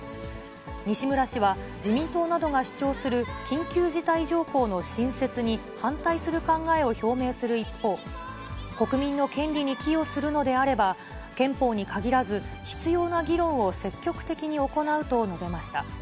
西村氏は自民党などが主張する緊急事態条項の新設に反対する考えを表明する一方、国民の権利に寄与するのであれば、憲法に限らず、必要な議論を積極的に行うと述べました。